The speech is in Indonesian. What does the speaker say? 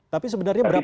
tapi sebenarnya berapa